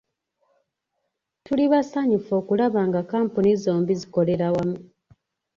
Tuli basanyufu okulaba nga kkampuni zombi zikolera wamu.